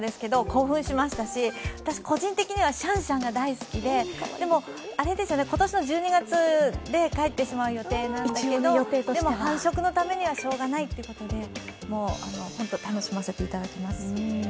興奮しましたし、私、個人的にはシャンシャンが大好きででも、今年の１２月で帰ってしまう予定なんですけどでも、繁殖のためにはしようがないということで本当、楽しませていただきます。